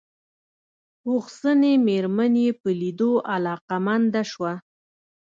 پوخ سنې مېرمن يې په ليدو علاقه منده شوه.